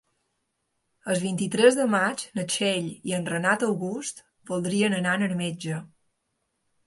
El vint-i-tres de maig na Txell i en Renat August voldria anar al metge.